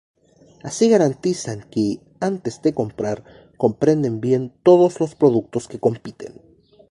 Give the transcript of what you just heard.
Así garantizan que, antes de comprar, comprenden bien todos los productos que compiten.